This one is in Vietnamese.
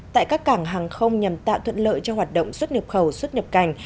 tại các cảng hàng không nhằm tạo thuận lợi cho hoạt động xuất nhập khẩu xuất nhập cảnh